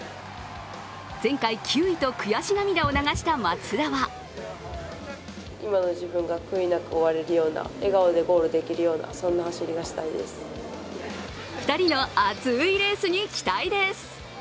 前回９位と悔し涙を流した松田は２人の熱いレースに期待です。